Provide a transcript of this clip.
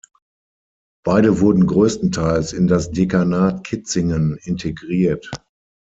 Beide wurden größtenteils in das Dekanat Kitzingen integriert.